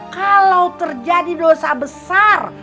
kalau terjadi dosa besar